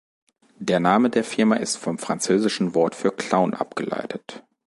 Der Name der Firma ist vom französischen Wort für "Clown" abgeleitet.